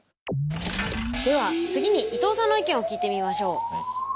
では次に伊藤さんの意見を聞いてみましょう。